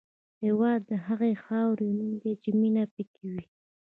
هېواد د هغې خاورې نوم دی چې مینه پکې وي.